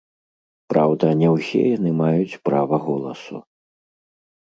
Праўда, не ўсе яны маюць права голасу.